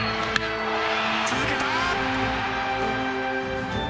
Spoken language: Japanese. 続けた！